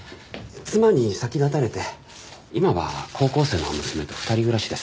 妻に先立たれて今は高校生の娘と２人暮らしです。